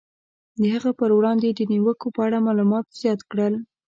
د هغه پر وړاندې د نیوکو په اړه معلومات زیات کړل.